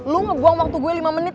lu ngebuang waktu gue lima menit